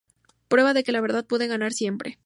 Prueba de que la verdad puede ganar siempre.